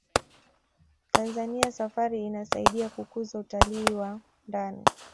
tanzania safari insaidia kukuza utalii wa ndani